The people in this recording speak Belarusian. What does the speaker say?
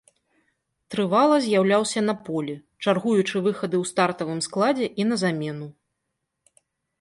Трывала з'яўляўся на полі, чаргуючы выхады ў стартавым складзе і на замену.